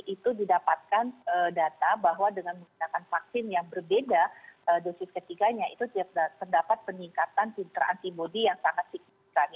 itu didapatkan data bahwa dengan menggunakan vaksin yang berbeda dosis ketiganya itu terdapat peningkatan citra antibody yang sangat signifikan